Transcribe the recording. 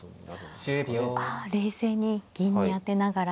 あ冷静に銀に当てながら。